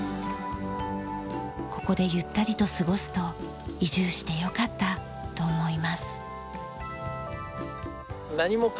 ここでゆったりと過ごすと移住してよかったと思います。